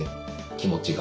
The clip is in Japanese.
気持ちが。